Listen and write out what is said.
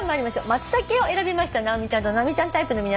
「松茸」を選びました直美ちゃんと直美ちゃんタイプの皆さん